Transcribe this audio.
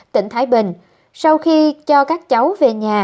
tỉnh thái bình sau khi cho các cháu về nhà